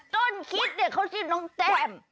ต้นคิดเนี่ยเขาชื่อน้องแต้ม